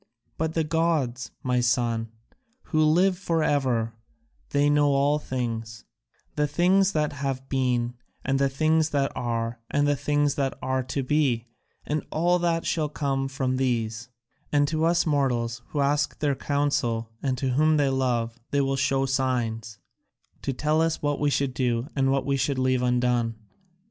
But the gods, my son, who live for ever, they know all things, the things that have been and the things that are and the things that are to be, and all that shall come from these; and to us mortals who ask their counsel and whom they love they will show signs, to tell us what we should do and what we should leave undone.